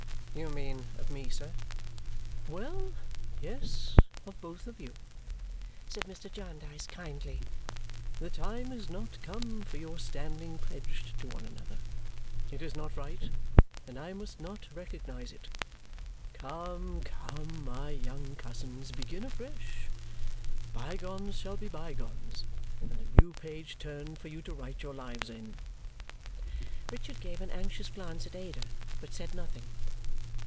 "You mean of me, sir." "Well! Yes, of both of you," said Mr. Jarndyce kindly. "The time is not come for your standing pledged to one another. It is not right, and I must not recognize it. Come, come, my young cousins, begin afresh! Bygones shall be bygones, and a new page turned for you to write your lives in." Richard gave an anxious glance at Ada but said nothing.